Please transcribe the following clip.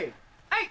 はい！